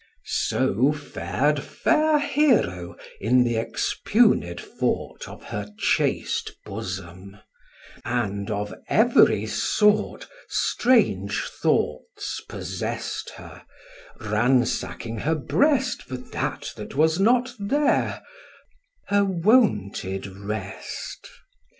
So far'd fair Hero in th' expugned fort Of her chaste bosom; and of every sort Strange thoughts possess'd her, ransacking her breast For that that was not there, her wonted rest.